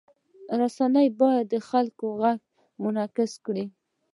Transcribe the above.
رسنۍ باید د خلکو غږ منعکس کړي.